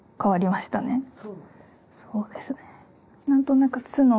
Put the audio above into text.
そうですね。